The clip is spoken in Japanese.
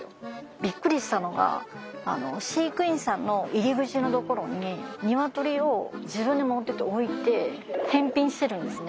びっくりしたのが飼育員さんの入り口のところにニワトリを自分で持っていって置いて返品してるんですね。